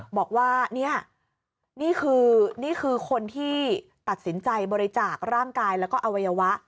บอกว่านี่คือคนที่ตัดสินใจบริจาคร่างกายแล้วก็อวัยวะ